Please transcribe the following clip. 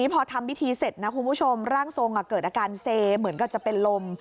พอทำวิถีเสร็จร่างทรงเกิดอาการเส๊มเหมือนกันจะเป็นลม